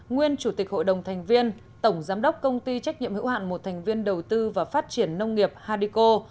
nguyên chủ tịch hội đồng thành viên tổng giám đốc công ty trách nhiệm hữu hạn một thành viên đầu tư và phát triển nông nghiệp hadico